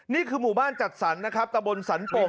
นี่คือหมู่บ้านจัดสรรนะครับตะบนสันโป่ง